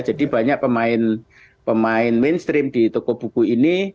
jadi banyak pemain mainstream di toko buku ini